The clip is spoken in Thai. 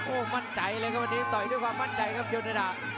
โอ้โหมั่นใจเลยครับวันนี้ต่อยด้วยความมั่นใจครับโยเนดา